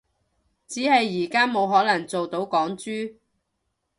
只係而家冇可能做到港豬